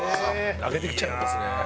泣けてきちゃいますね。